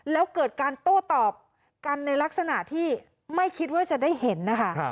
แล้วเกิดการโต้ตอบกันในลักษณะที่ไม่คิดว่าจะได้เห็นนะคะ